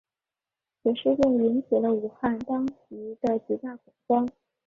此次事件引起了武汉当局的极大恐慌。